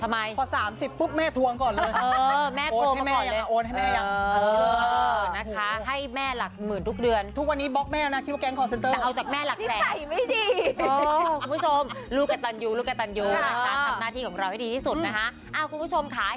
เห็นการแสดงหน้าวิทยาลักษณ์เดี๋ยวนะ